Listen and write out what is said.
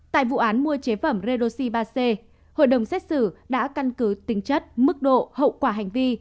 tại vụ án mua chế phẩm redoxi ba c hội đồng xét xử đã căn cứ tính chất mức độ hậu quả hành vi